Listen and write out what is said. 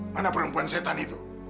mana perempuan setan itu